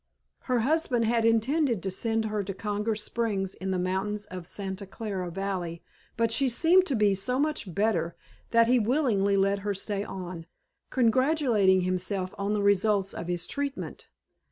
Her husband had intended to send her to Congress Springs in the mountains of the Santa Clara Valley, but she seemed to be so much better that he willingly let her stay on, congratulating himself on the results of his treatment.